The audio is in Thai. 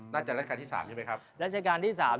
น่าจะรัฐการณ์ที่๓ใช่ไหมครับ